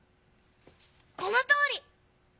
このとおり！